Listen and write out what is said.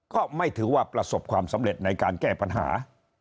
ก็ไม่ถือว่าประสบความสำเร็จในการแก้ปัญหา